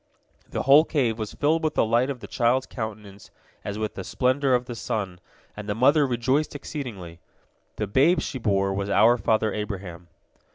The whole cave was filled with the light of the child's countenance as with the splendor of the sun, and the mother rejoiced exceedingly. The babe she bore was our father Abraham.